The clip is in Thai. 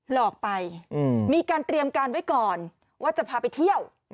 หลอกไปมีการเตรียมการไว้ก่อนว่าจะพาไปเที่ยว